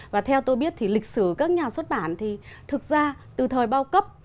và theo tôi biết thì lịch sử các nhà xuất bản thì thực ra từ thời bao cấp